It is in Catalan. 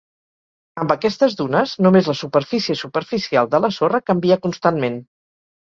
Amb aquestes dunes, només la superfície superficial de la sorra canvia constantment.